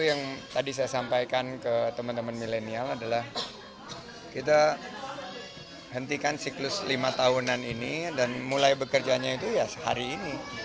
yang tadi saya sampaikan ke teman teman milenial adalah kita hentikan siklus lima tahunan ini dan mulai bekerjanya itu ya sehari ini